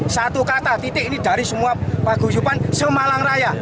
satu kata titik ini dari semua paguyupan semalang raya